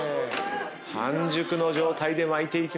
半熟の状態で巻いていきます。